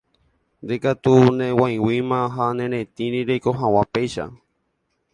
Ndékatu neg̃uaig̃uĩma ha neretĩri reiko hag̃ua péicha.